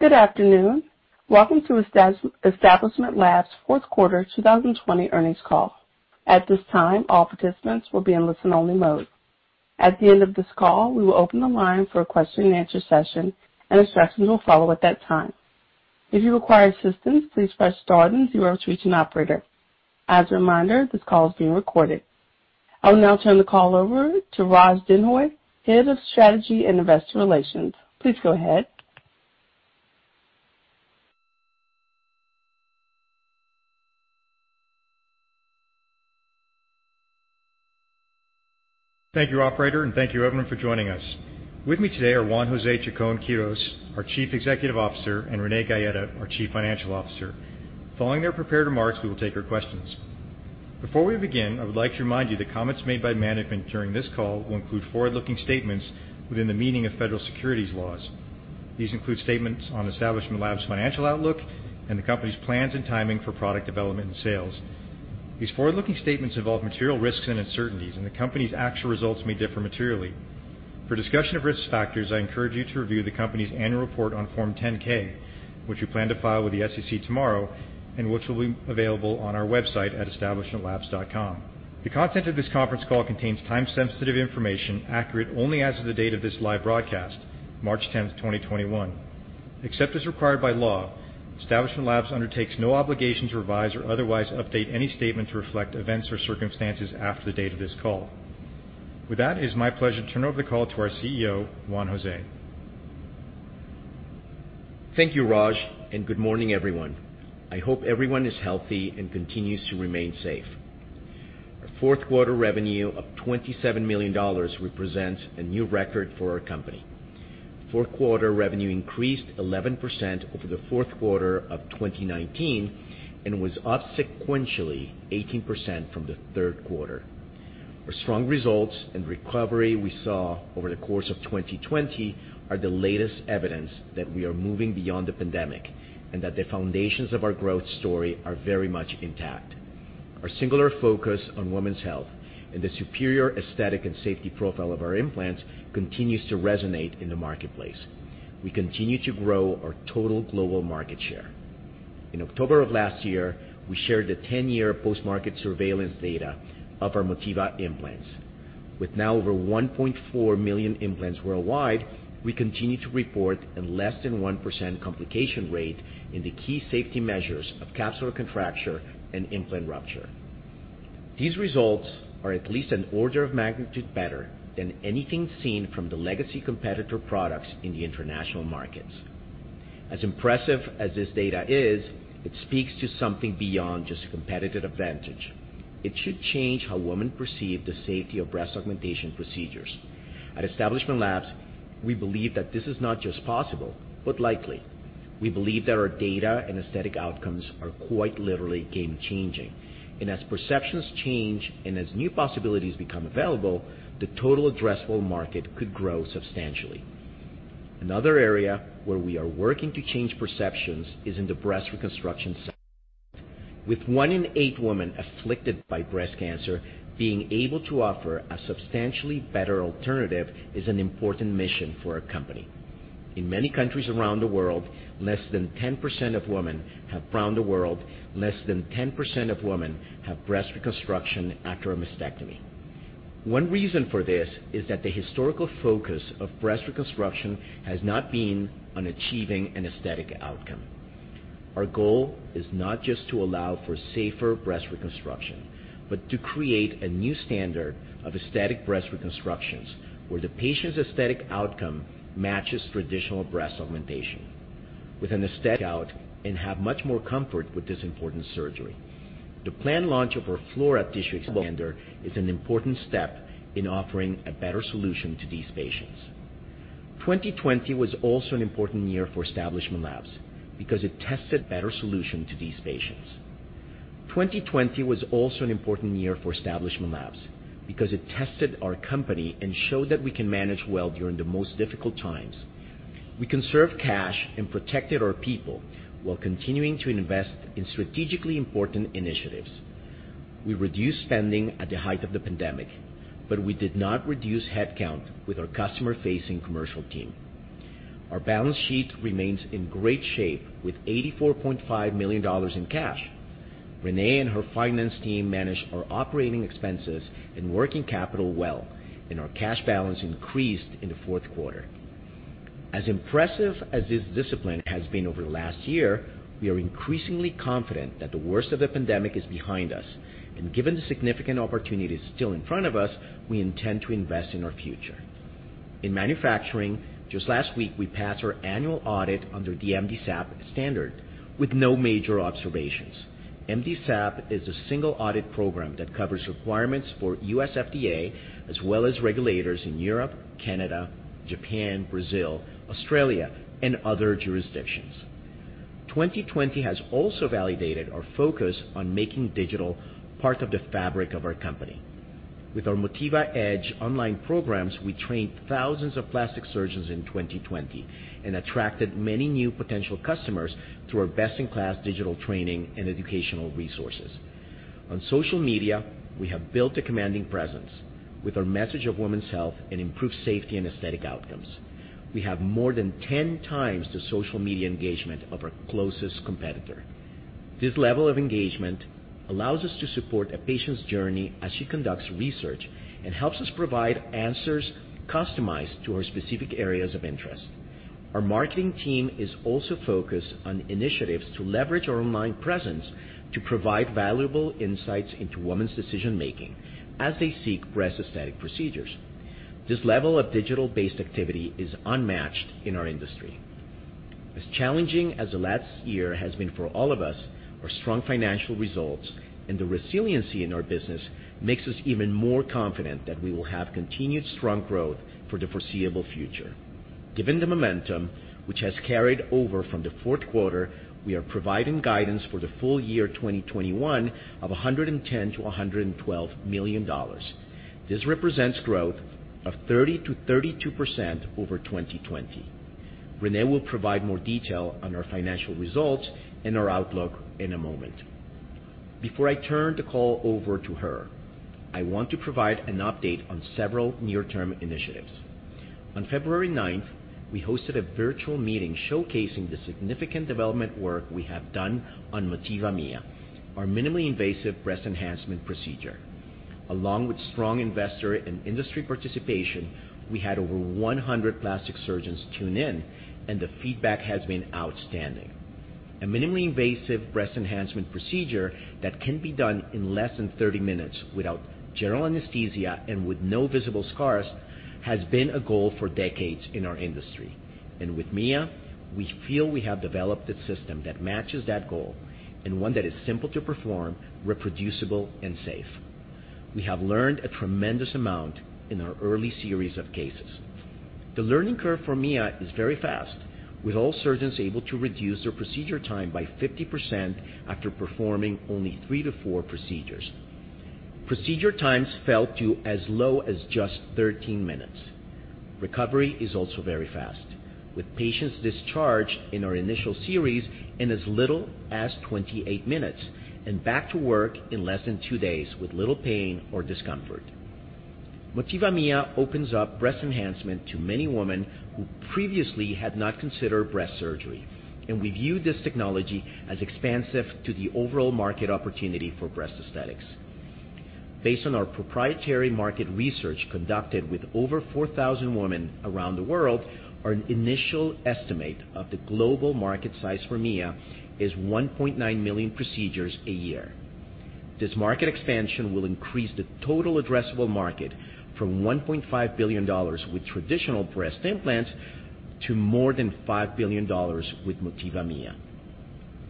Good afternoon. Welcome to Establishment Labs's fourth quarter 2020 earnings call. At this time, all participants will be in listen-only mode. At the end of this call, we will open the line for a question-and-answer session, and instructions will follow at that time. If you require assistance, please press star then zero to reach an operator. As a reminder, this call is being recorded. I will now turn the call over to Raj Denhoy, Head of Strategy and Investor Relations. Please go ahead. Thank you, operator, and thank you, everyone, for joining us. With me today are Juan José Chacón-Quirós, our Chief Executive Officer, and Renee Gaeta, our Chief Financial Officer. Following their prepared remarks, we will take your questions. Before we begin, I would like to remind you that comments made by management during this call will include forward-looking statements within the meaning of federal securities laws. These include statements on Establishment Labs' financial outlook and the company's plans and timing for product development and sales. These forward-looking statements involve material risks and uncertainties, and the company's actual results may differ materially. For a discussion of risk factors, I encourage you to review the company's annual report on Form 10-K, which we plan to file with the SEC tomorrow and which will be available on our website at establishmentlabs.com. The content of this conference call contains time-sensitive information accurate only as of the date of this live broadcast, March 10th, 2021. Except as required by law, Establishment Labs undertakes no obligation to revise or otherwise update any statement to reflect events or circumstances after the date of this call. With that, it is my pleasure to turn over the call to our CEO, Juan José. Thank you, Raj. Good morning, everyone. I hope everyone is healthy and continues to remain safe. Our fourth quarter revenue of $27 million represents a new record for our company. Fourth quarter revenue increased 11% over the fourth quarter of 2019 and was up sequentially 18% from the third quarter. Our strong results and recovery we saw over the course of 2020 are the latest evidence that we are moving beyond the pandemic and that the foundations of our growth story are very much intact. Our singular focus on women's health and the superior aesthetic and safety profile of our implants continues to resonate in the marketplace. We continue to grow our total global market share. In October of last year, we shared the 10-year post-market surveillance data of our Motiva implants. With now over 1.4 million implants worldwide, we continue to report a less than 1% complication rate in the key safety measures of capsular contracture and implant rupture. These results are at least an order of magnitude better than anything seen from the legacy competitor products in the international markets. As impressive as this data is, it speaks to something beyond just competitive advantage. It should change how women perceive the safety of breast augmentation procedures. At Establishment Labs, we believe that this is not just possible, but likely. We believe that our data and aesthetic outcomes are quite literally game-changing, and as perceptions change and as new possibilities become available, the total addressable market could grow substantially. Another area where we are working to change perceptions is in the breast reconstruction segment. With one in eight women afflicted by breast cancer, being able to offer a substantially better alternative is an important mission for our company. In many countries around the world, less than 10% of women have breast reconstruction after a mastectomy. One reason for this is that the historical focus of breast reconstruction has not been on achieving an aesthetic outcome. Our goal is not just to allow for safer breast reconstruction, but to create a new standard of aesthetic breast reconstructions where the patient's aesthetic outcome matches traditional breast augmentation. With an aesthetic out and have much more comfort with this important surgery. The planned launch of our Flora tissue expander is an important step in offering a better solution to these patients. 2020 was also an important year for Establishment Labs because it tested our company and showed that we can manage well during the most difficult times. We conserved cash and protected our people while continuing to invest in strategically important initiatives. We reduced spending at the height of the pandemic, we did not reduce headcount with our customer-facing commercial team. Our balance sheet remains in great shape with $84.5 million in cash. Renee and her finance team managed our operating expenses and working capital well, our cash balance increased in the fourth quarter. As impressive as this discipline has been over the last year, we are increasingly confident that the worst of the pandemic is behind us, given the significant opportunities still in front of us, we intend to invest in our future. In manufacturing, just last week, we passed our annual audit under the MDSAP standard with no major observations. MDSAP is a single audit program that covers requirements for US FDA as well as regulators in Europe, Canada, Japan, Brazil, Australia, and other jurisdictions. 2020 has also validated our focus on making digital part of the fabric of our company. With our Motiva Edge online programs, we trained thousands of plastic surgeons in 2020 and attracted many new potential customers through our best-in-class digital training and educational resources. On social media, we have built a commanding presence with our message of women's health and improved safety and aesthetic outcomes. We have more than 10x the social media engagement of our closest competitor. This level of engagement allows us to support a patient's journey as she conducts research and helps us provide answers customized to her specific areas of interest. Our marketing team is also focused on initiatives to leverage our online presence to provide valuable insights into women's decision-making as they seek breast aesthetic procedures. This level of digital-based activity is unmatched in our industry. As challenging as the last year has been for all of us, our strong financial results and the resiliency in our business makes us even more confident that we will have continued strong growth for the foreseeable future. Given the momentum which has carried over from the fourth quarter, we are providing guidance for the full year 2021 of $110 million-$112 million. This represents growth of 30%-32% over 2020. Renee will provide more detail on our financial results and our outlook in a moment. Before I turn the call over to her, I want to provide an update on several near-term initiatives. On February 9th, we hosted a virtual meeting showcasing the significant development work we have done on Motiva Mia, our minimally invasive breast enhancement procedure. Along with strong investor and industry participation, we had over 100 plastic surgeons tune in. The feedback has been outstanding. A minimally invasive breast enhancement procedure that can be done in less than 30 minutes without general anesthesia and with no visible scars has been a goal for decades in our industry. With Mia, we feel we have developed a system that matches that goal and one that is simple to perform, reproducible, and safe. We have learned a tremendous amount in our early series of cases. The learning curve for Mia is very fast, with all surgeons able to reduce their procedure time by 50% after performing only three to four procedures. Procedure times fell to as low as just 13 minutes. Recovery is also very fast, with patients discharged in our initial series in as little as 28 minutes and back to work in less than two days with little pain or discomfort. Motiva Mia opens up breast enhancement to many women who previously had not considered breast surgery. We view this technology as expansive to the overall market opportunity for breast aesthetics. Based on our proprietary market research conducted with over 4,000 women around the world, our initial estimate of the global market size for Mia is 1.9 million procedures a year. This market expansion will increase the total addressable market from $1.5 billion with traditional breast implants to more than $5 billion with Motiva Mia.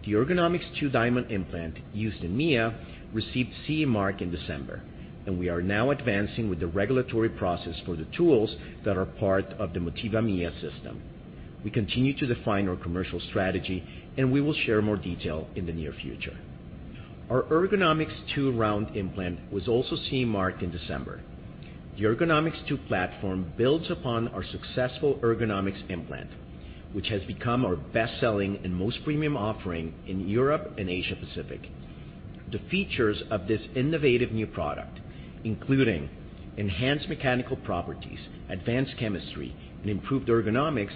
The Ergonomix2 Diamond implant used in Mia received CE mark in December. We are now advancing with the regulatory process for the tools that are part of the Motiva Mia system. We continue to define our commercial strategy, and we will share more detail in the near future. Our Ergonomix2 round implant was also CE marked in December. The Ergonomix2 platform builds upon our successful Ergonomix implant, which has become our best-selling and most premium offering in Europe and Asia Pacific. The features of this innovative new product, including enhanced mechanical properties, advanced chemistry, and improved ergonomics,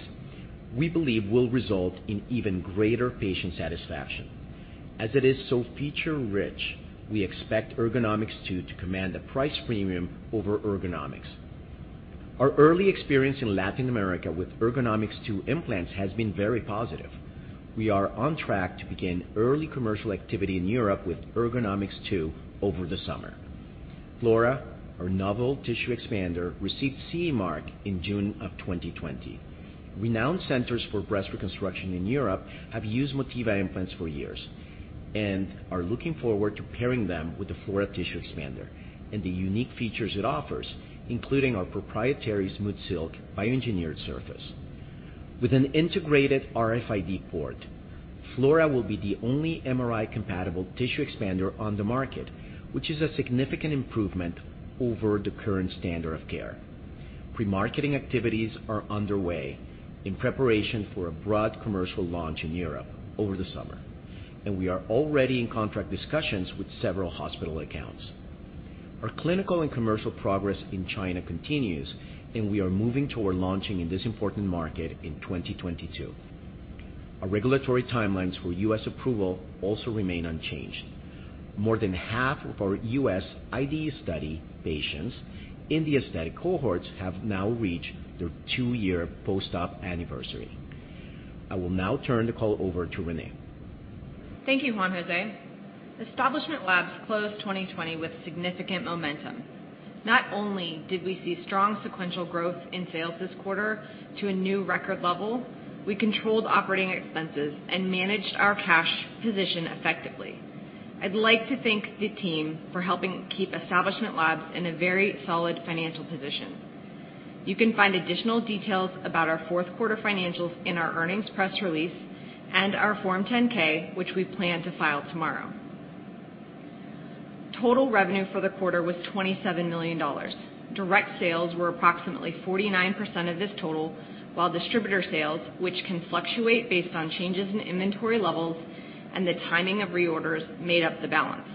we believe will result in even greater patient satisfaction. As it is so feature-rich, we expect Ergonomix2 to command a price premium over Ergonomix. Our early experience in Latin America with Ergonomix2 implants has been very positive. We are on track to begin early commercial activity in Europe with Ergonomix2 over the summer. Flora, our novel tissue expander, received CE mark in June of 2020. Renowned centers for breast reconstruction in Europe have used Motiva implants for years and are looking forward to pairing them with the Flora tissue expander and the unique features it offers, including our proprietary SmoothSilk bioengineered surface. With an integrated RFID port, Flora will be the only MRI-compatible tissue expander on the market, which is a significant improvement over the current standard of care. Pre-marketing activities are underway in preparation for a broad commercial launch in Europe over the summer. We are already in contract discussions with several hospital accounts. Our clinical and commercial progress in China continues. We are moving toward launching in this important market in 2022. Our regulatory timelines for U.S. approval also remain unchanged. More than half of our U.S. IDE study patients in the aesthetic cohorts have now reached their two-year post-op anniversary. I will now turn the call over to Renee. Thank you, Juan José. Establishment Labs closed 2020 with significant momentum. Not only did we see strong sequential growth in sales this quarter to a new record level, we controlled operating expenses and managed our cash position effectively. I'd like to thank the team for helping keep Establishment Labs in a very solid financial position. You can find additional details about our fourth quarter financials in our earnings press release and our Form 10-K, which we plan to file tomorrow. Total revenue for the quarter was $27 million. Direct sales were approximately 49% of this total, while distributor sales, which can fluctuate based on changes in inventory levels and the timing of reorders, made up the balance.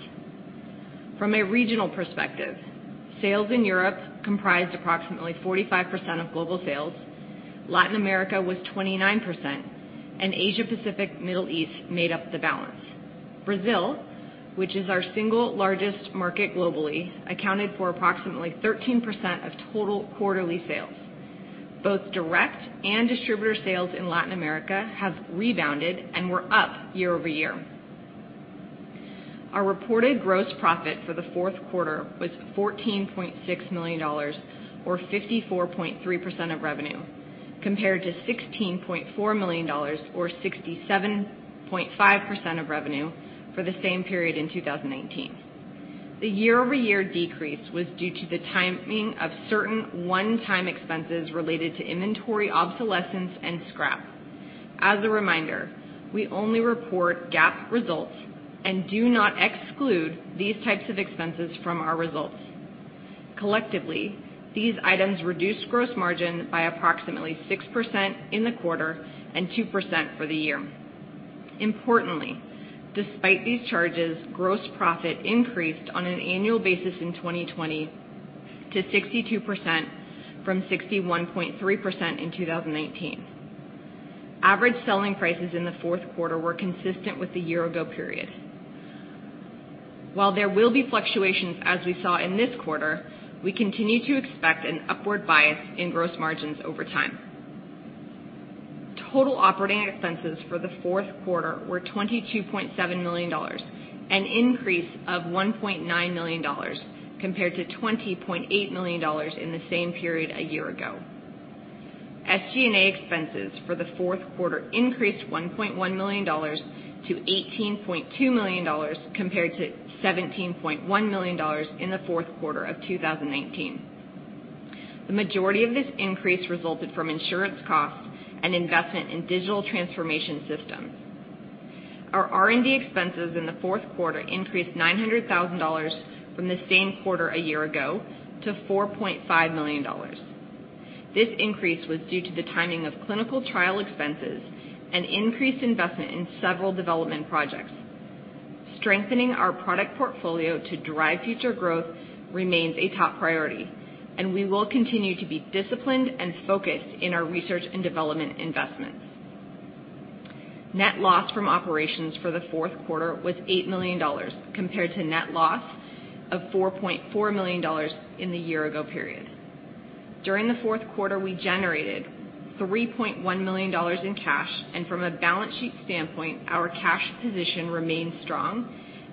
From a regional perspective, sales in Europe comprised approximately 45% of global sales, Latin America was 29%, and Asia-Pacific, Middle East made up the balance. Brazil, which is our single largest market globally, accounted for approximately 13% of total quarterly sales. Both direct and distributor sales in Latin America have rebounded and were up year-over-year. Our reported gross profit for the fourth quarter was $14.6 million, or 54.3% of revenue, compared to $16.4 million, or 67.5% of revenue for the same period in 2019. The year-over-year decrease was due to the timing of certain one-time expenses related to inventory obsolescence and scrap. As a reminder, we only report GAAP results and do not exclude these types of expenses from our results. Collectively, these items reduced gross margin by approximately 6% in the quarter and 2% for the year. Importantly, despite these charges, gross profit increased on an annual basis in 2020 to 62% from 61.3% in 2019. Average selling prices in the fourth quarter were consistent with the year ago period. While there will be fluctuations as we saw in this quarter, we continue to expect an upward bias in gross margins over time. Total operating expenses for the fourth quarter were $22.7 million, an increase of $1.9 million compared to $20.8 million in the same period a year ago. SG&A expenses for the fourth quarter increased $1.1 million to $18.2 million, compared to $17.1 million in the fourth quarter of 2019. The majority of this increase resulted from insurance costs and investment in digital transformation systems. Our R&D expenses in the fourth quarter increased $900,000 from the same quarter a year ago to $4.5 million. This increase was due to the timing of clinical trial expenses and increased investment in several development projects. Strengthening our product portfolio to drive future growth remains a top priority, and we will continue to be disciplined and focused in our research and development investments. Net loss from operations for the fourth quarter was $8 million, compared to net loss of $4.4 million in the year ago period. During the fourth quarter, we generated $3.1 million in cash, and from a balance sheet standpoint, our cash position remains strong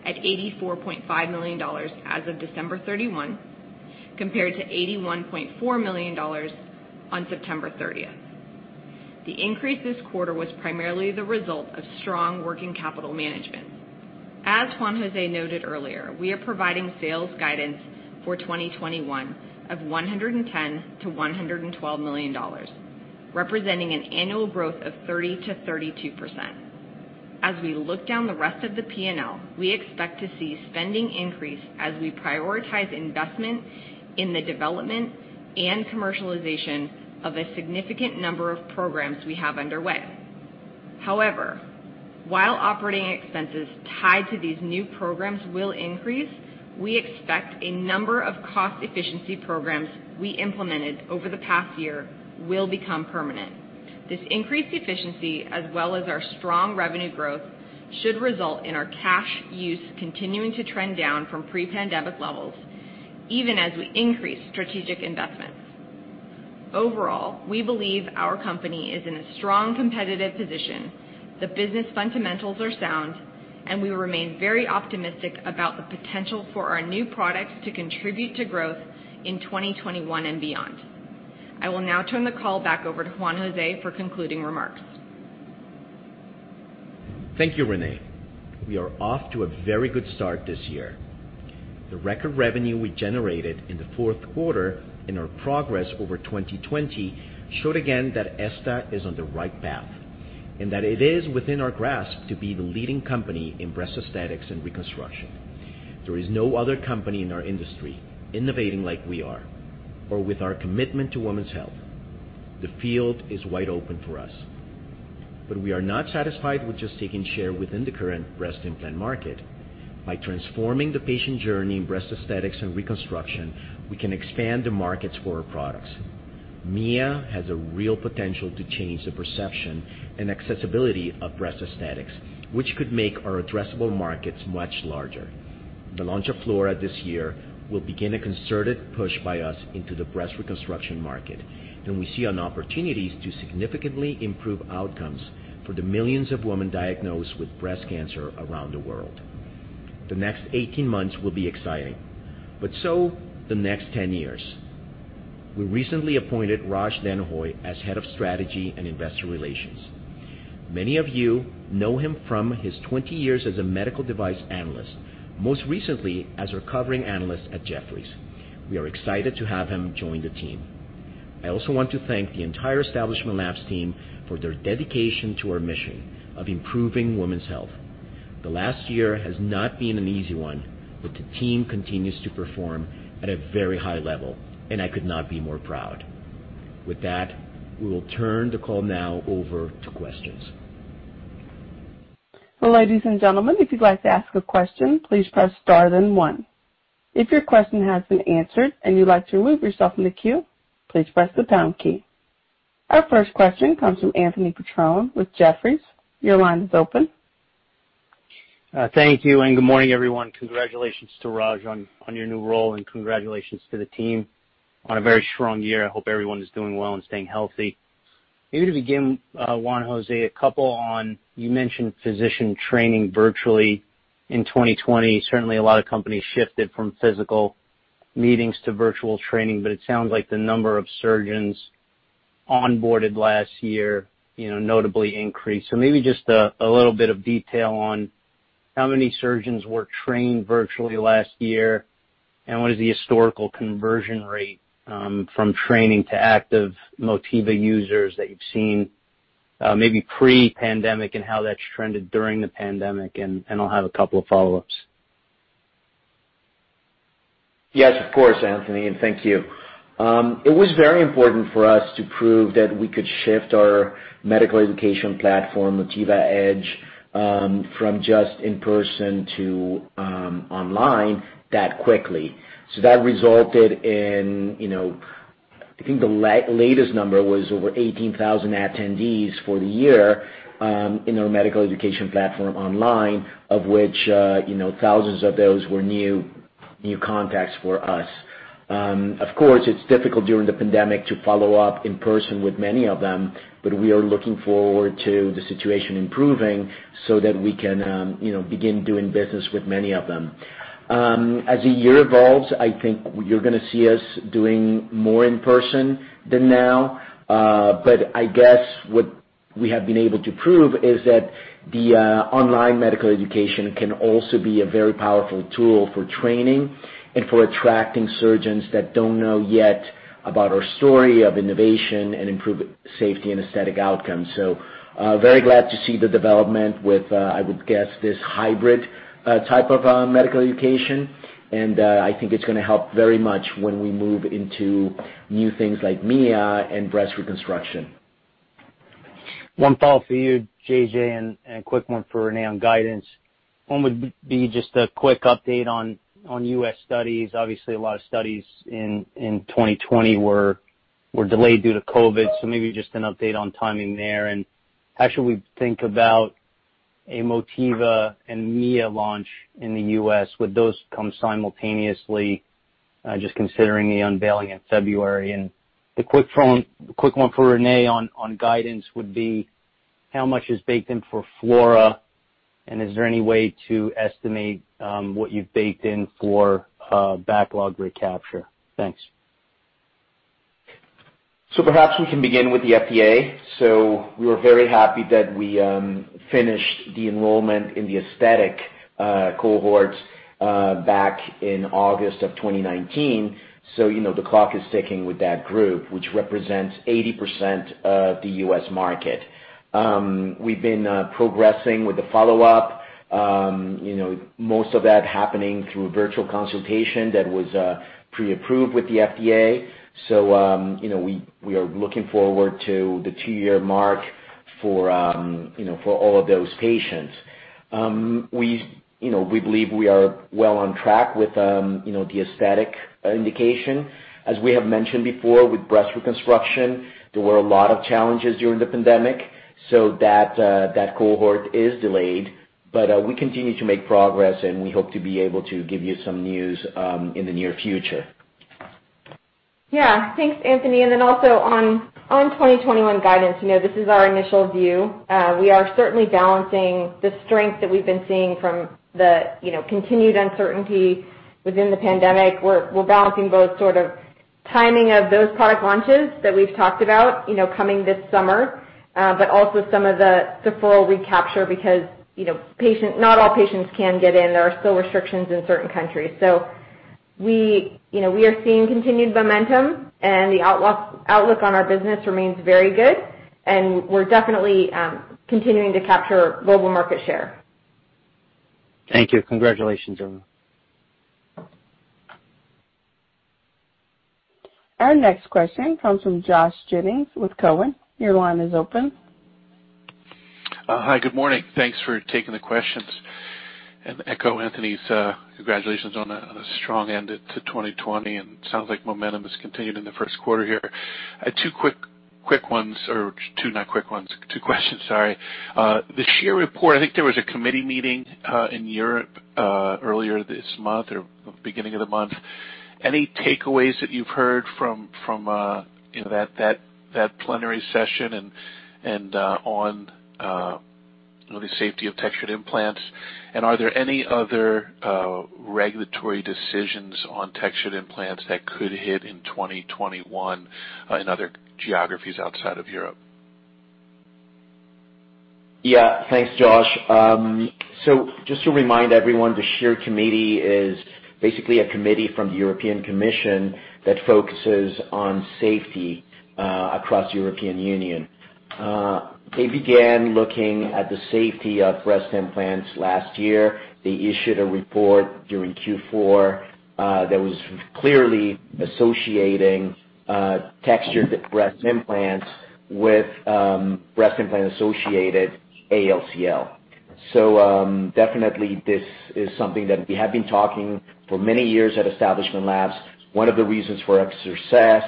at $84.5 million as of December 31, compared to $81.4 million on September 30th. As Juan José noted earlier, we are providing sales guidance for 2021 of $110 million-$112 million, representing an annual growth of 30%-32%. As we look down the rest of the P&L, we expect to see spending increase as we prioritize investment in the development and commercialization of a significant number of programs we have underway. While operating expenses tied to these new programs will increase, we expect a number of cost efficiency programs we implemented over the past year will become permanent. This increased efficiency, as well as our strong revenue growth, should result in our cash use continuing to trend down from pre-pandemic levels even as we increase strategic investments. We believe our company is in a strong competitive position. The business fundamentals are sound. We remain very optimistic about the potential for our new products to contribute to growth in 2021 and beyond. I will now turn the call back over to Juan José for concluding remarks. Thank you, Renee. We are off to a very good start this year. The record revenue we generated in the fourth quarter and our progress over 2020 showed again that ESTA is on the right path, and that it is within our grasp to be the leading company in breast aesthetics and reconstruction. There is no other company in our industry innovating like we are or with our commitment to women's health. The field is wide open for us, but we are not satisfied with just taking share within the current breast implant market. By transforming the patient journey in breast aesthetics and reconstruction, we can expand the markets for our products. Mia has a real potential to change the perception and accessibility of breast aesthetics, which could make our addressable markets much larger. The launch of Flora this year will begin a concerted push by us into the breast reconstruction market, and we see an opportunity to significantly improve outcomes for the millions of women diagnosed with breast cancer around the world. The next 18 months will be exciting, but so the next 10 years. We recently appointed Raj Denhoy as Head of Strategy and Investor Relations. Many of you know him from his 20 years as a medical device analyst, most recently as our covering analyst at Jefferies. We are excited to have him join the team. I also want to thank the entire Establishment Labs team for their dedication to our mission of improving women's health. The last year has not been an easy one, but the team continues to perform at a very high level, and I could not be more proud. With that, we will turn the call now over to questions. Ladies and gentlemen, if you'd like to ask a question, please press star then one. If your question has been answered and you'd like to remove yourself from the queue, please press the pound key. Our first question comes from Anthony Petrone with Jefferies. Your line is open. Thank you. Good morning, everyone. Congratulations to Raj on your new role, and congratulations to the team on a very strong year. I hope everyone is doing well and staying healthy. Maybe to begin, Juan José, you mentioned physician training virtually in 2020. Certainly, a lot of companies shifted from physical meetings to virtual training, but it sounds like the number of surgeons onboarded last year notably increased. Maybe just a little bit of detail on how many surgeons were trained virtually last year, and what is the historical conversion rate from training to active Motiva users that you've seen, maybe pre-pandemic and how that's trended during the pandemic, and I'll have a couple of follow-ups. Yes, of course, Anthony. Thank you. It was very important for us to prove that we could shift our medical education platform, Motiva Edge, from just in-person to online that quickly. That resulted in, I think the latest number was over 18,000 attendees for the year in our medical education platform online, of which thousands of those were new contacts for us. Of course, it's difficult during the pandemic to follow up in person with many of them. We are looking forward to the situation improving so that we can begin doing business with many of them. As the year evolves, I think you're going to see us doing more in person than now. I guess what we have been able to prove is that the online medical education can also be a very powerful tool for training and for attracting surgeons that don't know yet about our story of innovation and improved safety and aesthetic outcomes. Very glad to see the development with, I would guess, this hybrid type of medical education, and I think it's going to help very much when we move into new things like Mia and breast reconstruction. One follow-up for you, JJ, a quick one for Renee on guidance. One would be just a quick update on U.S. studies. Obviously, a lot of studies in 2020 were delayed due to COVID, so maybe just an update on timing there. How should we think about a Motiva and Mia launch in the U.S.? Would those come simultaneously? Just considering the unveiling in February. The quick one for Renee on guidance would be how much is baked in for Flora, and is there any way to estimate what you've baked in for backlog recapture? Thanks. Perhaps we can begin with the FDA. We were very happy that we finished the enrollment in the aesthetic cohorts back in August of 2019. The clock is ticking with that group, which represents 80% of the U.S. market. We've been progressing with the follow-up. Most of that happening through a virtual consultation that was pre-approved with the FDA. We are looking forward to the two-year mark for all of those patients. We believe we are well on track with the aesthetic indication. As we have mentioned before, with breast reconstruction, there were a lot of challenges during the pandemic. That cohort is delayed, but we continue to make progress, and we hope to be able to give you some news in the near future. Yeah. Thanks, Anthony. Also on 2021 guidance, this is our initial view. We are certainly balancing the strength that we've been seeing from the continued uncertainty within the pandemic. We're balancing both sort of timing of those product launches that we've talked about coming this summer. Also some of the referral recapture because not all patients can get in. There are still restrictions in certain countries. We are seeing continued momentum, and the outlook on our business remains very good, and we're definitely continuing to capture global market share. Thank you. Congratulations on that. Our next question comes from Josh Jennings with Cowen. Your line is open. Hi, good morning. Thanks for taking the questions. Echo Anthony's congratulations on a strong end to 2020, and sounds like momentum has continued in the first quarter here. I had two quick ones or two, not quick ones, two questions, sorry. The SCHEER report, I think there was a committee meeting in Europe earlier this month or beginning of the month. Any takeaways that you've heard from that plenary session and on the safety of textured implants? Are there any other regulatory decisions on textured implants that could hit in 2021 in other geographies outside of Europe? Yeah. Thanks, Josh. Just to remind everyone, the SCHEER committee is basically a committee from the European Commission that focuses on safety across the European Union. They began looking at the safety of breast implants last year. They issued a report during Q4 that was clearly associating textured breast implants with breast implant-associated ALCL. Definitely this is something that we have been talking for many years at Establishment Labs. One of the reasons for our success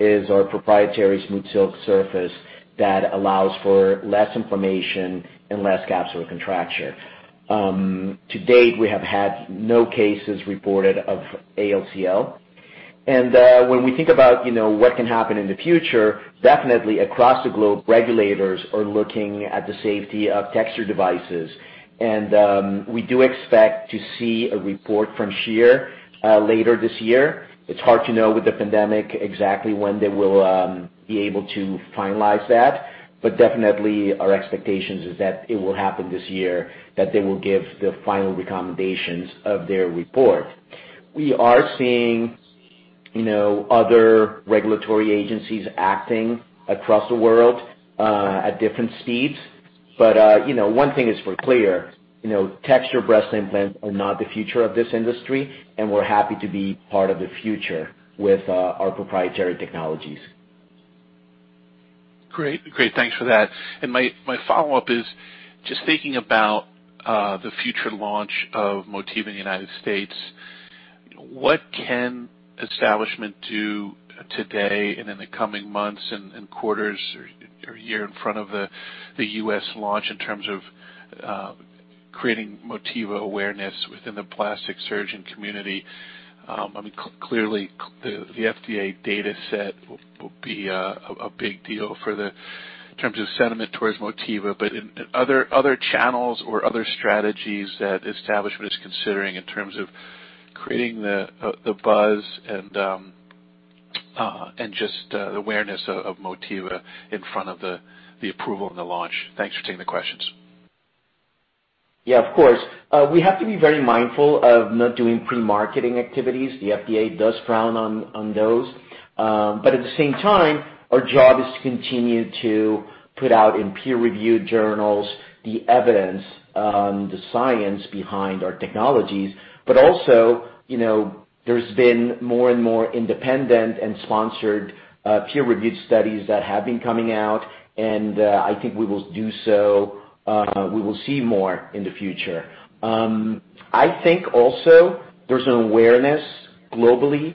is our proprietary SmoothSilk surface that allows for less inflammation and less capsular contracture. To date, we have had no cases reported of ALCL. When we think about what can happen in the future, definitely across the globe, regulators are looking at the safety of texture devices. We do expect to see a report from SCHEER later this year. It's hard to know with the pandemic exactly when they will be able to finalize that, but definitely our expectation is that it will happen this year, that they will give the final recommendations of their report. We are seeing other regulatory agencies acting across the world, at different speeds. One thing is for clear, texture breast implants are not the future of this industry, and we're happy to be part of the future with our proprietary technologies. Great. Thanks for that. My follow-up is just thinking about the future launch of Motiva in the U.S. What can Establishment do today and in the coming months and quarters or year in front of the U.S. launch in terms of creating Motiva awareness within the plastic surgeon community? I mean, clearly, the FDA data set will be a big deal in terms of sentiment towards Motiva, but other channels or other strategies that Establishment is considering in terms of creating the buzz and just the awareness of Motiva in front of the approval and the launch. Thanks for taking the questions. Yeah, of course. We have to be very mindful of not doing pre-marketing activities. The FDA does frown on those. At the same time, our job is to continue to put out in peer-reviewed journals the evidence, the science behind our technologies. Also, there's been more and more independent and sponsored peer-reviewed studies that have been coming out, and I think we will see more in the future. I think also there's an awareness globally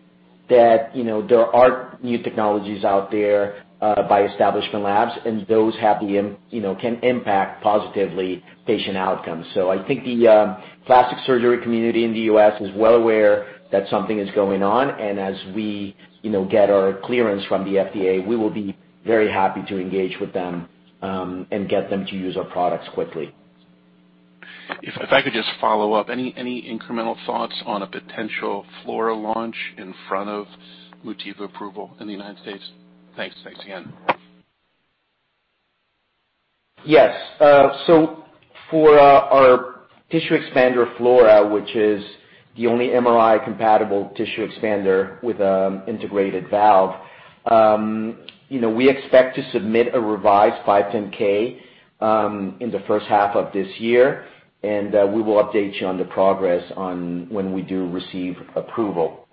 that there are new technologies out there by Establishment Labs, and those can impact positively patient outcomes. I think the plastic surgery community in the U.S. is well aware that something is going on, and as we get our clearance from the FDA, we will be very happy to engage with them and get them to use our products quickly. If I could just follow up. Any incremental thoughts on a potential Flora launch in front of Motiva approval in the U.S.? Thanks again. Yes. For our tissue expander, Flora, which is the only MRI-compatible tissue expander with integrated valve, we expect to submit a revised 510 in the first half of this year, and we will update you on the progress on when we do receive approval.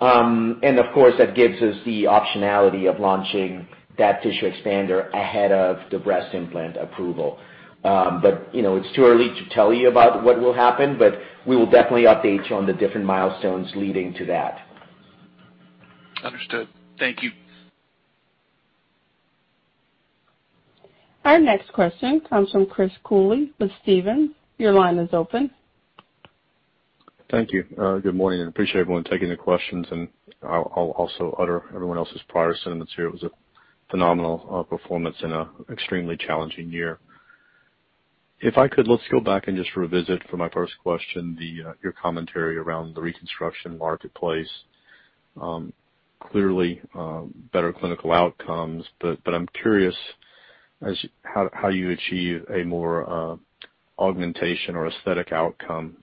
Of course, that gives us the optionality of launching that tissue expander ahead of the breast implant approval. It's too early to tell you about what will happen, but we will definitely update you on the different milestones leading to that. Understood. Thank you. Our next question comes from Chris Cooley with Stephens. Your line is open. Thank you. Good morning. I appreciate everyone taking the questions. I'll also utter everyone else's prior sentiments here. It was a phenomenal performance in an extremely challenging year. If I could, let's go back and just revisit for my first question, your commentary around the reconstruction marketplace. Clearly, better clinical outcomes. I'm curious how you achieve a more augmentation or aesthetic outcome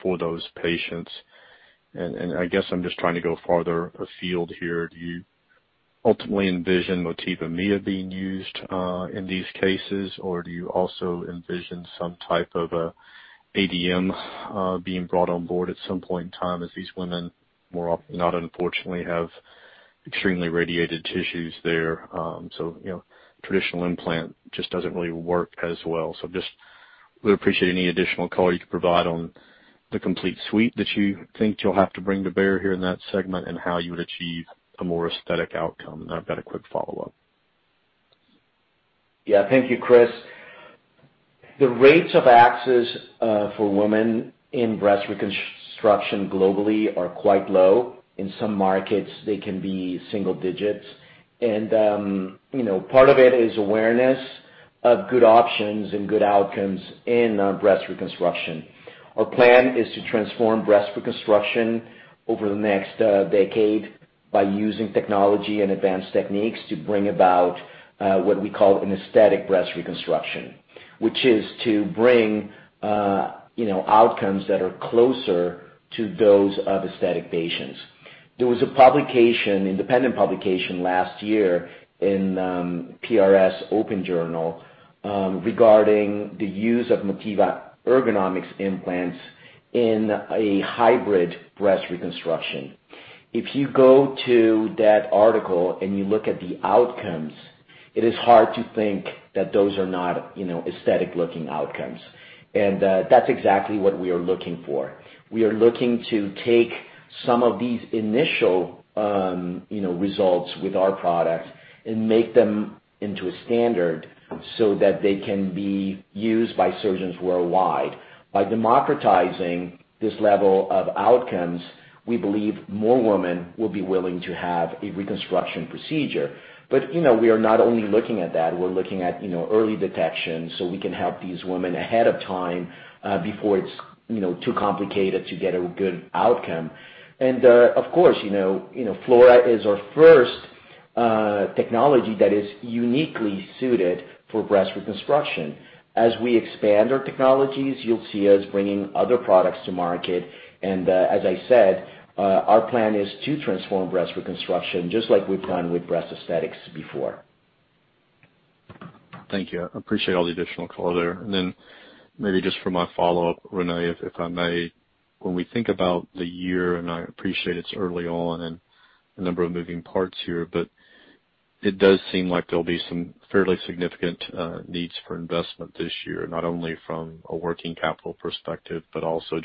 for those patients. I guess I'm just trying to go farther afield here. Do you ultimately envision Motiva Mia being used in these cases, or do you also envision some type of ADM being brought on board at some point in time as these women, more often than not, unfortunately, have extremely radiated tissues there, so traditional implant just doesn't really work as well. Just would appreciate any additional color you could provide on the complete suite that you think you'll have to bring to bear here in that segment, and how you would achieve a more aesthetic outcome. I've got a quick follow-up. Thank you, Chris. The rates of access for women in breast reconstruction globally are quite low. In some markets, they can be single digits. Part of it is awareness of good options and good outcomes in breast reconstruction. Our plan is to transform breast reconstruction over the next decade by using technology and advanced techniques to bring about what we call an aesthetic breast reconstruction, which is to bring outcomes that are closer to those of aesthetic patients. There was a publication, independent publication, last year in PRS Open Journal, regarding the use of Motiva Ergonomix implants in a hybrid breast reconstruction. If you go to that article and you look at the outcomes, it is hard to think that those are not aesthetic-looking outcomes. That's exactly what we are looking for. We are looking to take some of these initial results with our products and make them into a standard so that they can be used by surgeons worldwide. We are not only looking at that. We're looking at early detection so we can help these women ahead of time before it's too complicated to get a good outcome. Of course, Flora is our first technology that is uniquely suited for breast reconstruction. As we expand our technologies, you'll see us bringing other products to market, and as I said, our plan is to transform breast reconstruction just like we've done with breast aesthetics before. Thank you. I appreciate all the additional color there. Then maybe just for my follow-up, Renee, if I may. When we think about the year, and I appreciate it's early on and a number of moving parts here, but it does seem like there'll be some fairly significant needs for investment this year, not only from a working capital perspective, but also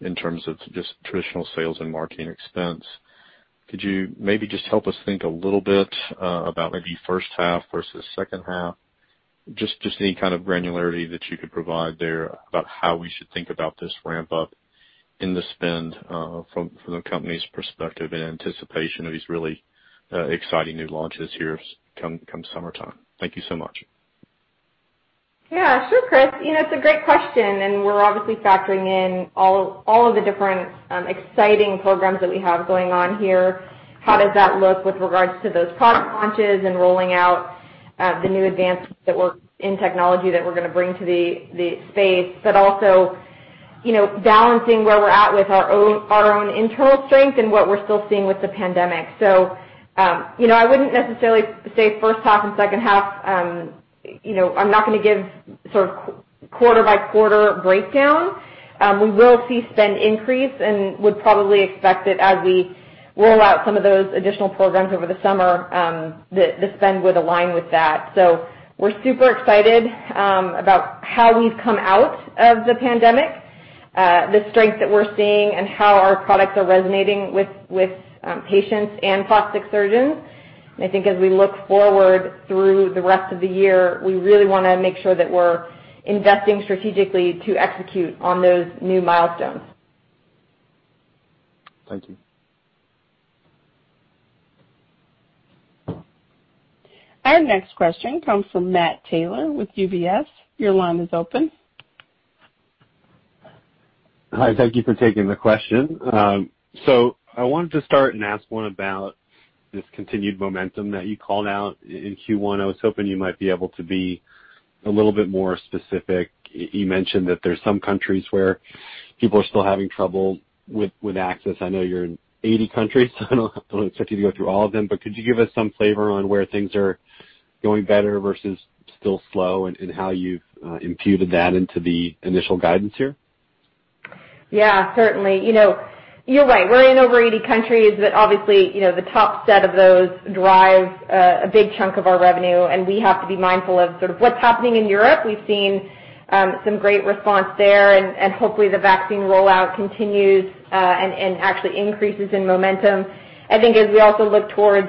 in terms of traditional sales and marketing expense. Could you maybe just help us think a little bit about maybe first half versus second half? Just any kind of granularity that you could provide there about how we should think about this ramp-up in the spend from the company's perspective in anticipation of these really exciting new launches here come summertime. Thank you so much. Yeah, sure, Chris. It's a great question. We're obviously factoring in all of the different exciting programs that we have going on here. How does that look with regards to those product launches and rolling out the new advancements in technology that we're going to bring to the space? Also balancing where we're at with our own internal strength and what we're still seeing with the pandemic. I wouldn't necessarily say first half and second half. I'm not going to give sort of quarter-by-quarter breakdown. We will see spend increase and would probably expect it as we roll out some of those additional programs over the summer that the spend would align with that. We're super excited about how we've come out of the pandemic, the strength that we're seeing and how our products are resonating with patients and plastic surgeons. I think as we look forward through the rest of the year, we really want to make sure that we're investing strategically to execute on those new milestones. Thank you. Our next question comes from Matt Taylor with UBS. Your line is open. Hi. Thank you for taking the question. I wanted to start and ask one about this continued momentum that you called out in Q1. I was hoping you might be able to be a little bit more specific. You mentioned that there's some countries where people are still having trouble with access. I know you're in 80 countries, so I don't expect you to go through all of them, but could you give us some flavor on where things are going better versus still slow and how you've imputed that into the initial guidance here? Certainly. You're right, we're in over 80 countries, but obviously, the top set of those drive a big chunk of our revenue, and we have to be mindful of sort of what's happening in Europe. We've seen some great response there, hopefully the vaccine rollout continues and actually increases in momentum. As we also look towards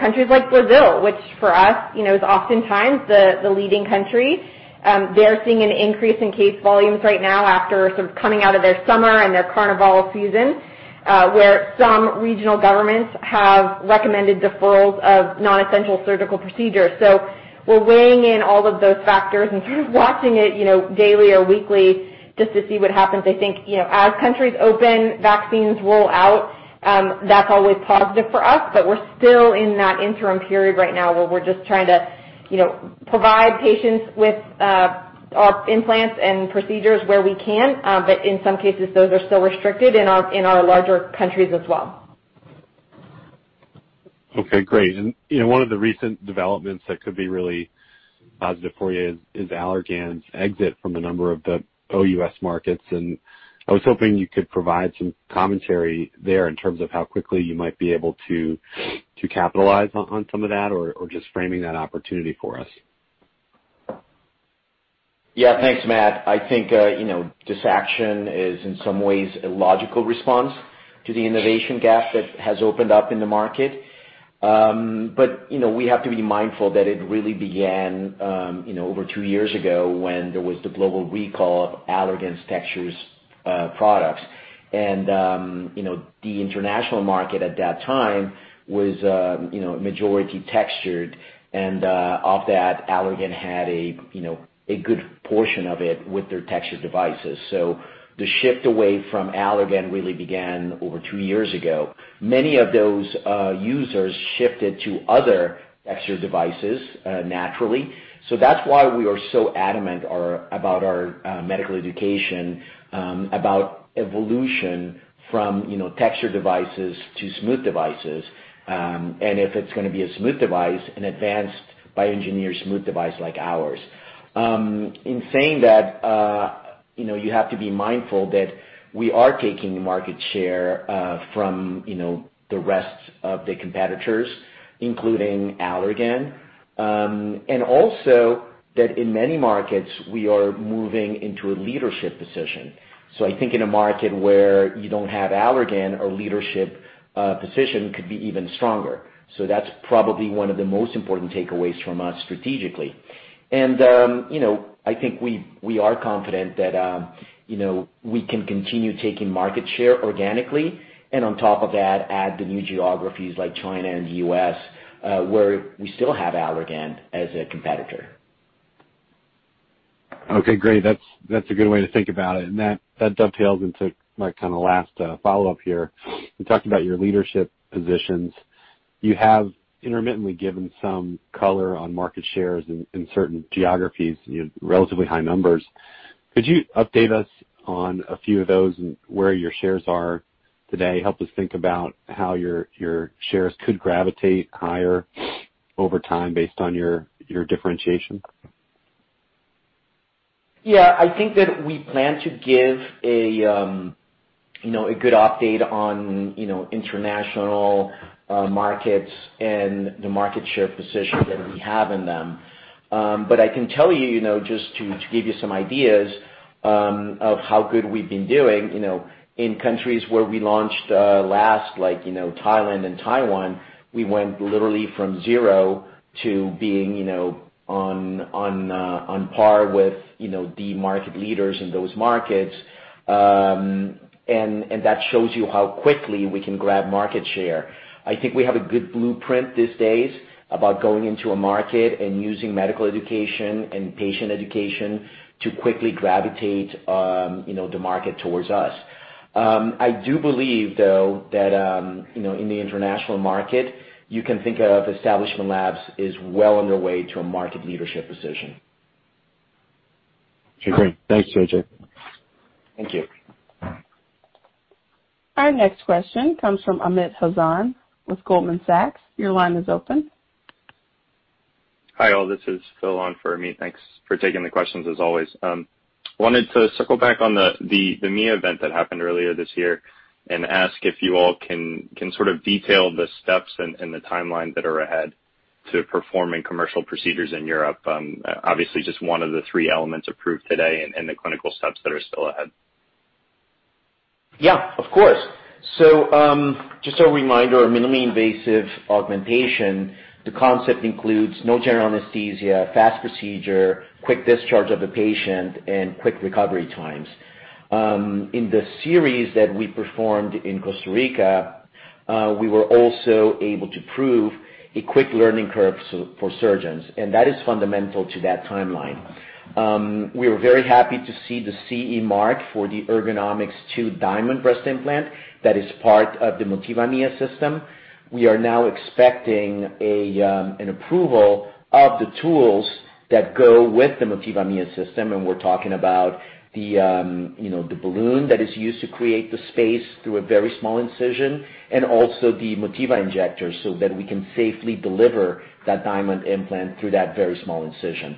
countries like Brazil, which for us is oftentimes the leading country. They're seeing an increase in case volumes right now after sort of coming out of their summer and their carnival season where some regional governments have recommended deferrals of non-essential surgical procedures. We're weighing in all of those factors and sort of watching it daily or weekly just to see what happens. I think as countries open, vaccines roll out, that's always positive for us, but we're still in that interim period right now where we're just trying to provide patients with our implants and procedures where we can. In some cases, those are still restricted in our larger countries as well. Okay, great. One of the recent developments that could be really positive for you is Allergan's exit from a number of the OUS markets, and I was hoping you could provide some commentary there in terms of how quickly you might be able to capitalize on some of that or just framing that opportunity for us. Thanks, Matt. I think this action is in some ways a logical response to the innovation gap that has opened up in the market. We have to be mindful that it really began over two years ago when there was the global recall of Allergan's textured products. The international market at that time was majority textured, and of that, Allergan had a good portion of it with their textured devices. The shift away from Allergan really began over two years ago. Many of those users shifted to other textured devices naturally. That's why we are so adamant about our medical education about evolution from textured devices to smooth devices, and if it's going to be a smooth device, an advanced bioengineered smooth device like ours. In saying that, you have to be mindful that we are taking market share from the rest of the competitors, including Allergan. Also that in many markets, we are moving into a leadership position. I think in a market where you don't have Allergan, our leadership position could be even stronger. That's probably one of the most important takeaways from us strategically. I think we are confident that we can continue taking market share organically, and on top of that, add the new geographies like China and the U.S., where we still have Allergan as a competitor. Okay, great. That's a good way to think about it. That dovetails into my last follow-up here. In talking about your leadership positions, you have intermittently given some color on market shares in certain geographies, relatively high numbers. Could you update us on a few of those and where your shares are today? Help us think about how your shares could gravitate higher over time based on your differentiation. Yeah, I think that we plan to give a good update on international markets and the market share position that we have in them. I can tell you, just to give you some ideas of how good we've been doing, in countries where we launched last, like Thailand and Taiwan, we went literally from zero to being on par with the market leaders in those markets. That shows you how quickly we can grab market share. I think we have a good blueprint these days about going into a market and using medical education and patient education to quickly gravitate the market towards us. I do believe, though, that in the international market, you can think of Establishment Labs as well on their way to a market leadership position. Okay, great. Thanks, JJ. Thank you. Our next question comes from Amit Hazan with Goldman Sachs. Your line is open. Hi, all. This is Phil on for Amit Hazan. Thanks for taking the questions as always. Wanted to circle back on the Motiva Mia event that happened earlier this year and ask if you all can sort of detail the steps and the timeline that are ahead to performing commercial procedures in Europe. Obviously, just one of the three elements approved today and the clinical steps that are still ahead. Yeah, of course. Just a reminder, minimally invasive augmentation, the concept includes no general anesthesia, fast procedure, quick discharge of the patient, and quick recovery times. In the series that we performed in Costa Rica, we were also able to prove a quick learning curve for surgeons, and that is fundamental to that timeline. We are very happy to see the CE mark for the Ergonomix2 Diamond breast implant that is part of the Motiva Mia system. We are now expecting an approval of the tools that go with the Motiva Mia system, we're talking about the balloon that is used to create the space through a very small incision, and also the Motiva Injector so that we can safely deliver that Diamond implant through that very small incision.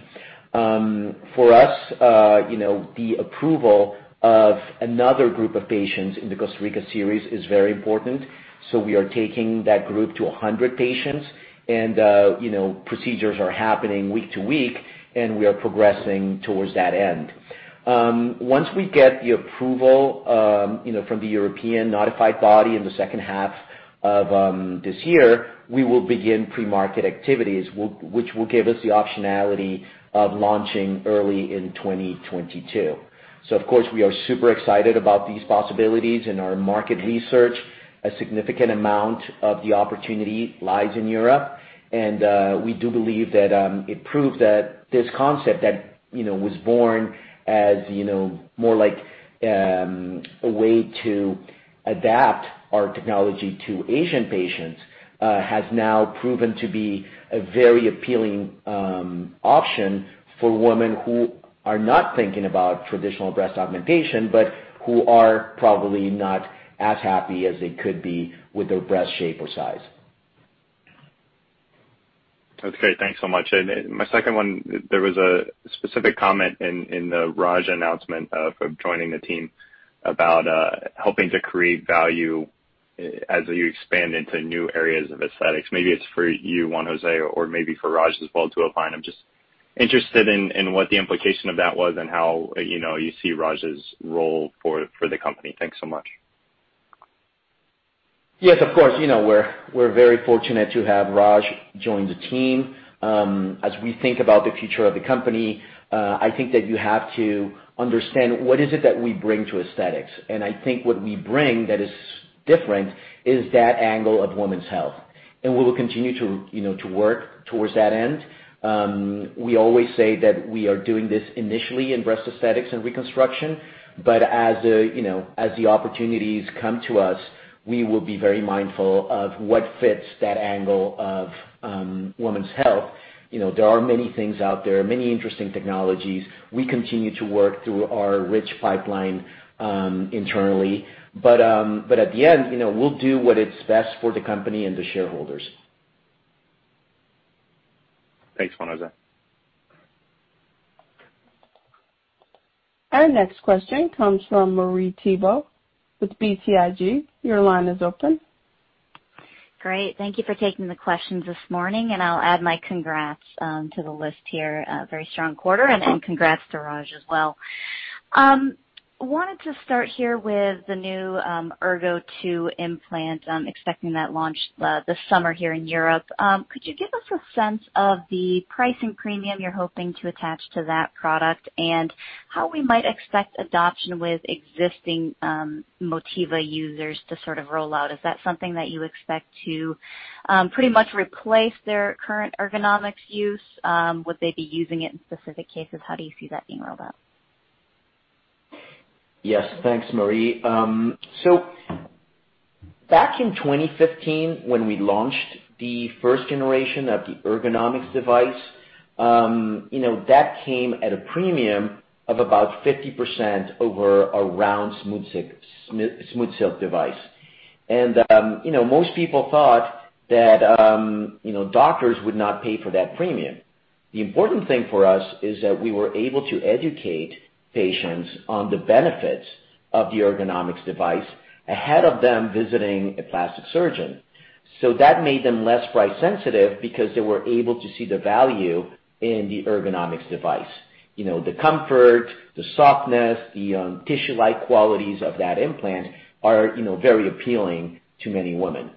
For us, the approval of another group of patients in the Costa Rica series is very important. We are taking that group to 100 patients, and procedures are happening week to week, and we are progressing towards that end. Once we get the approval from the European notified body in the second half of this year, we will begin pre-market activities, which will give us the optionality of launching early in 2022. Of course, we are super excited about these possibilities in our market research. A significant amount of the opportunity lies in Europe, and we do believe that it proved that this concept that was born as more like a way to adapt our technology to Asian patients has now proven to be a very appealing option for women who are not thinking about traditional breast augmentation, but who are probably not as happy as they could be with their breast shape or size. That's great. Thanks so much. My second one, there was a specific comment in the Raj announcement of joining the team about helping to create value as you expand into new areas of aesthetics. Maybe it's for you, Juan José, or maybe for Raj as well to opine. I'm just interested in what the implication of that was and how you see Raj's role for the company. Thanks so much. Yes, of course. We're very fortunate to have Raj join the team. As we think about the future of the company, I think that you have to understand what is it that we bring to aesthetics. I think what we bring that is different is that angle of women's health. We will continue to work towards that end. We always say that we are doing this initially in breast aesthetics and reconstruction, but as the opportunities come to us, we will be very mindful of what fits that angle of women's health. There are many things out there, many interesting technologies. We continue to work through our rich pipeline internally. At the end, we'll do what is best for the company and the shareholders. Thanks, Juan José. Our next question comes from Marie Thibault with BTIG. Your line is open. Great. Thank you for taking the questions this morning, and I'll add my congrats to the list here. A very strong quarter. Thank you. Congrats to Raj as well. Wanted to start here with the new Ergo2 implant, expecting that launch this summer here in Europe. Could you give us a sense of the pricing premium you're hoping to attach to that product and how we might expect adoption with existing Motiva users to sort of roll out? Is that something that you expect to pretty much replace their current Ergonomix use? Would they be using it in specific cases? How do you see that being rolled out? Yes. Thanks, Marie. Back in 2015, when we launched the first generation of the Ergonomix device, that came at a premium of about 50% over a round SmoothSilk device. Most people thought that doctors would not pay for that premium. The important thing for us is that we were able to educate patients on the benefits of the Ergonomix device ahead of them visiting a plastic surgeon. That made them less price-sensitive because they were able to see the value in the Ergonomix device. The comfort, the softness, the tissue-like qualities of that implant are very appealing to many women.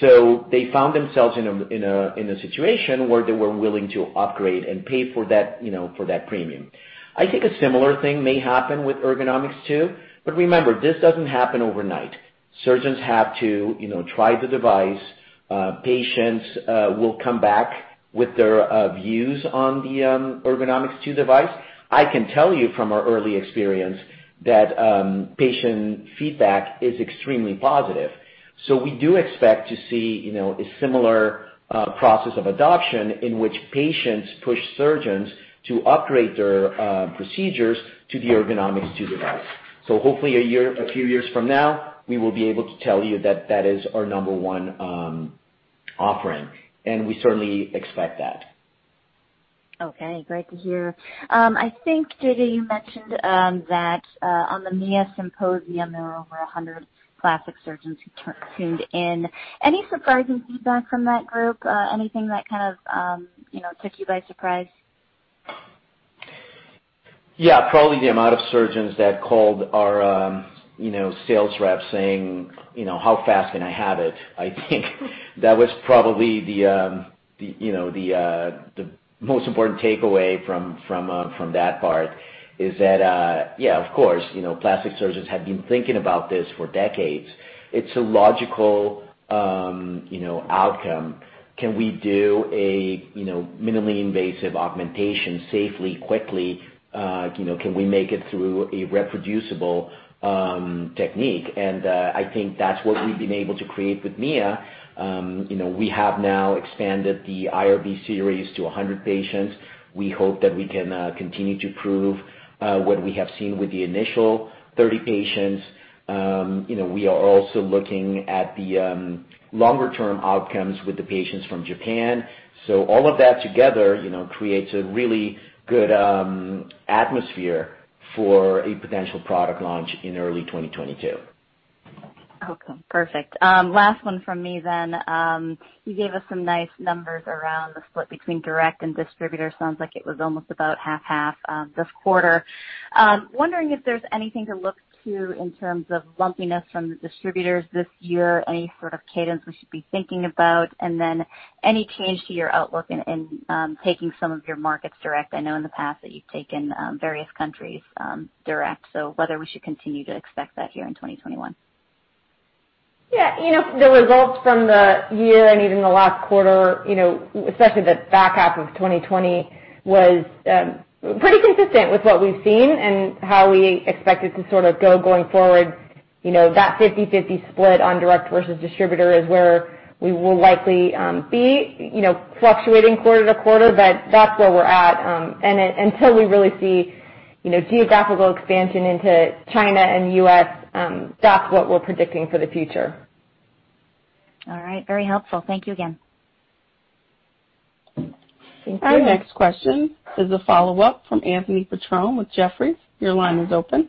They found themselves in a situation where they were willing to upgrade and pay for that premium. I think a similar thing may happen with Ergonomix2. Remember, this doesn't happen overnight. Surgeons have to try the device. Patients will come back with their views on the Ergonomix2 device. I can tell you from our early experience that patient feedback is extremely positive. We do expect to see a similar process of adoption in which patients push surgeons to upgrade their procedures to the Ergonomix2 device. Hopefully a few years from now, we will be able to tell you that that is our number one offering, and we certainly expect that. Okay. Great to hear. I think, JJ, you mentioned that on the Mia symposium, there were over 100 plastic surgeons who tuned in. Any surprising feedback from that group? Anything that kind of took you by surprise? Yeah. Probably the amount of surgeons that called our sales reps saying, "How fast can I have it?" I think that was probably the most important takeaway from that part is that, yeah, of course, plastic surgeons have been thinking about this for decades. It's a logical outcome. Can we do a minimally invasive augmentation safely, quickly? Can we make it through a reproducible technique? I think that's what we've been able to create with Mia. We have now expanded the IRB series to 100 patients. We hope that we can continue to prove what we have seen with the initial 30 patients. We are also looking at the longer-term outcomes with the patients from Japan. All of that together creates a really good atmosphere for a potential product launch in early 2022. Awesome. Perfect. Last one from me then. You gave us some nice numbers around the split between direct and distributor. Sounds like it was almost about half/half this quarter. Wondering if there's anything to look to in terms of lumpiness from the distributors this year, any sort of cadence we should be thinking about, and then any change to your outlook in taking some of your markets direct. I know in the past that you've taken various countries direct, so whether we should continue to expect that here in 2021. Yeah. The results from the year and even the last quarter, especially the back half of 2020, was pretty consistent with what we've seen and how we expect it to sort of go going forward. That 50/50 split on direct versus distributor is where we will likely be fluctuating quarter to quarter, but that's where we're at. Until we really see geographical expansion into China and U.S., that's what we're predicting for the future. All right. Very helpful. Thank you again. Thank you. Our next question is a follow-up from Anthony Petrone with Jefferies. Your line is open.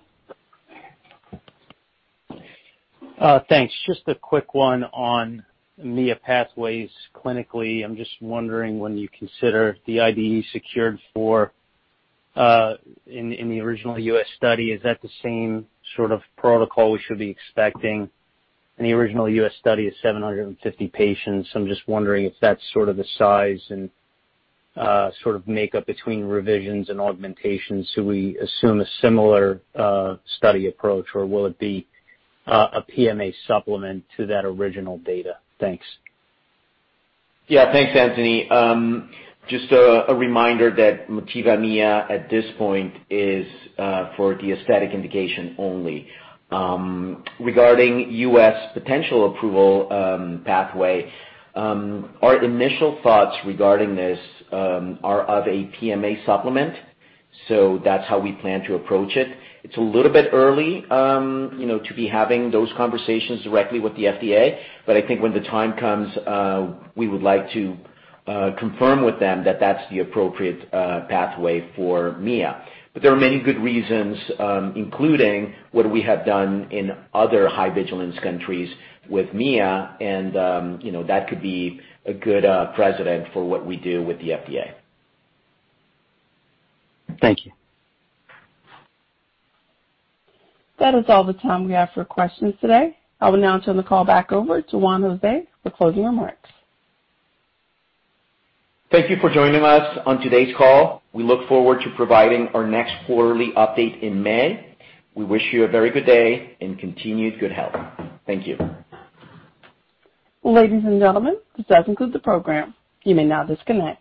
Thanks. Just a quick one on Mia pathways clinically. I'm just wondering, when you consider the IDE secured for in the original U.S. study, is that the same sort of protocol we should be expecting? In the original U.S. study is 750 patients. I'm just wondering if that's sort of the size and sort of makeup between revisions and augmentations. Do we assume a similar study approach, or will it be a PMA supplement to that original data? Thanks. Thanks, Anthony. Just a reminder that Motiva Mia at this point is for the aesthetic indication only. Regarding U.S. potential approval pathway, our initial thoughts regarding this are of a PMA supplement. That's how we plan to approach it. It's a little bit early to be having those conversations directly with the FDA. I think when the time comes, we would like to confirm with them that that's the appropriate pathway for Mia. There are many good reasons, including what we have done in other high vigilance countries with Mia, and that could be a good precedent for what we do with the FDA. Thank you. That is all the time we have for questions today. I will now turn the call back over to Juan José for closing remarks. Thank you for joining us on today's call. We look forward to providing our next quarterly update in May. We wish you a very good day and continued good health. Thank you. Ladies and gentlemen, this does conclude the program. You may now disconnect.